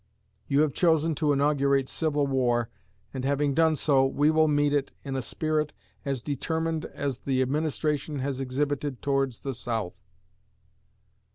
You have chosen to inaugurate civil war, and having done so, we will meet it in a spirit as determined as the administration has exhibited towards the South.